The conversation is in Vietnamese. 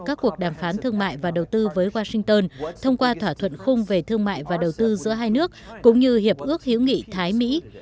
các cuộc đàm phán thương mại và đầu tư với washington thông qua thỏa thuận khung về thương mại và đầu tư giữa hai nước cũng như hiệp ước hữu nghị thái mỹ